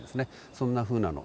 そんなふうなの。